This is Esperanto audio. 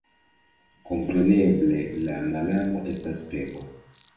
Kompreneble, la malamo estas peko.